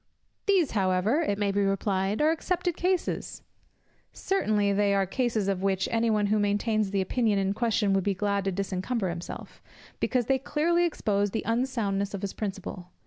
"These however," it may be replied, "are excepted cases." Certainly they are cases of which any one who maintains the opinion in question would be glad to disencumber himself; because they clearly expose the unsoundness of his principle.